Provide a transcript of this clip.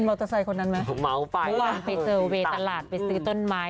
ประหลาดน้ำไปเซอร์เวสต์ไปซื้อต้นไม้